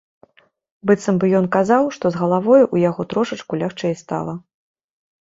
Быццам бы ён казаў, што з галавою ў яго трошачку лягчэй стала.